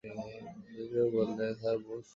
জ্যোতিবাবু বললেন, স্যার বসুন।